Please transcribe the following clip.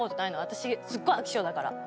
私すっごい飽き性だから。